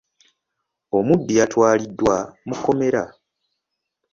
Omubbi yatwaliddwa mu kkomera.